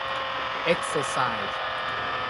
เอ็กเซอร์ไซส์